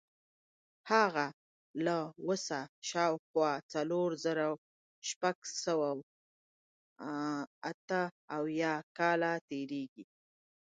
هغه له اوسه شاوخوا څلور زره شپږ سوه اته اویا کاله تېرېږي.